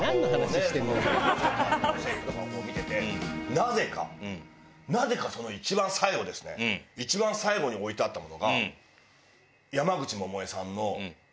なぜかなぜかその一番最後ですね一番最後に置いてあったものが。